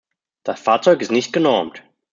Das Fahrzeug ist nicht genormt.